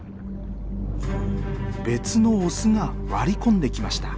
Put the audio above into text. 別のオスが割り込んできました。